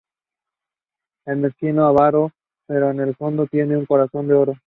Es mezquino, avaro, pero en el fondo tiene un corazón de oro.